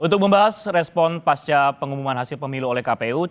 untuk membahas respon pasca pengumuman hasil pemilu oleh kpu